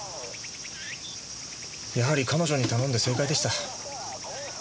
やはり彼女に頼んで正解でした。